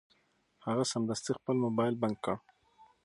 هغه سمدستي خپل مبایل بند کړ.